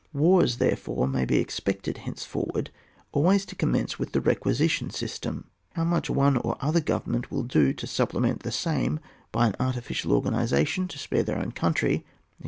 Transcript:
Wars therefore may be expected hence forward always to commence with the requisition system; how much one or other government will do to supplement the same by an artificial organisation to spare theirown country, etc.